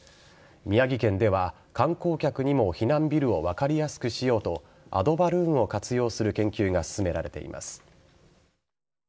宮城県では観光客にも避難ビルを分かりやすくしようとアドバルーンを活用する研究が進められています。